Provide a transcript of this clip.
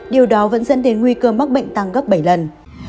điều đó vẫn dẫn đến nguy cơ mắc bệnh tăng gấp bảy lần